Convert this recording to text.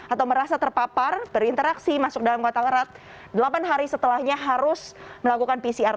atau merasa terpapar berinteraksi masuk dalam kotak erat delapan hari setelahnya harus melakukan pcr